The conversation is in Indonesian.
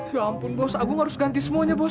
ya ampun bos agung harus ganti semuanya bos